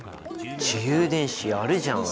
自由電子やるじゃん！